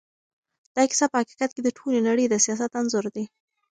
دا کيسه په حقیقت کې د ټولې نړۍ د سياست انځور دی.